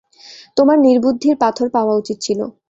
তোমার নির্বুদ্ধির পাথর পাওয়া উচিৎ ছিল।